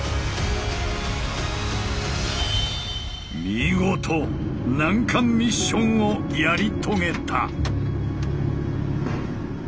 見事難関ミッションをやり遂げた。